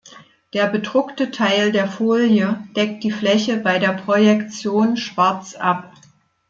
Der bedruckte Teil der Folie deckt die Fläche bei der Projektion schwarz ab.